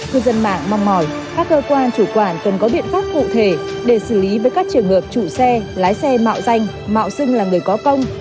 cư dân mạng mong mỏi các cơ quan chủ quản cần có biện pháp cụ thể để xử lý với các trường hợp chủ xe lái xe mạo danh mạo xưng là người có công